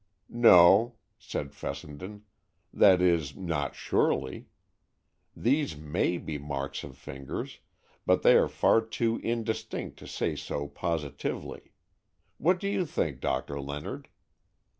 "No," said Fessenden; "that is, not surely. These may be marks of fingers, but they are far too indistinct to say so positively. What do you think, Doctor Leonard?"